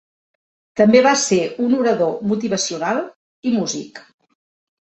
També va ser un orador motivacional i músic.